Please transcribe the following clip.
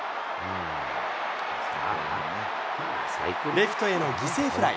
レフトへの犠牲フライ。